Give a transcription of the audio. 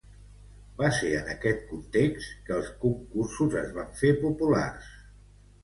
Va ser en este context que els concursos es van fer populars.